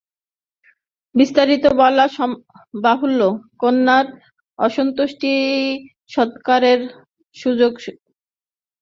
বিস্তারিত বলা বাহুল্য, কন্যার অন্ত্যেষ্টিসৎকারের সুযোগ করিতে হরিনাথ ফতুর হইয়া গেল।